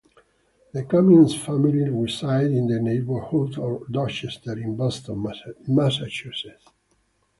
The Cummins family resided in the neighborhood of Dorchester in Boston, Massachusetts.